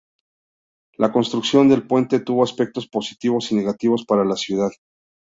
La construcción del puente tuvo aspectos positivos y negativos para la ciudad.